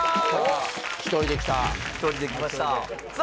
１人で来た１人で来ましたさあ